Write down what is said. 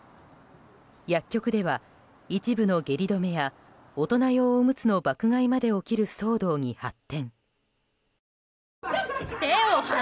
薬局では、一部の下痢止めや大人用おむつの爆買いまで起きる騒動に発展。